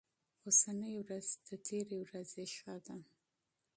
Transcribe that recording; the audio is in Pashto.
اوسنۍ ورځ تر تېرې ورځې ښه ده.